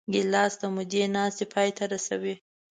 ګیلاس د مودې ناستې پای ته رسوي.